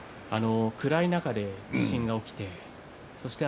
暗い中で地震が起きてそしてね。